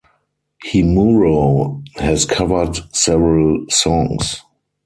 Himuro has covered several songs.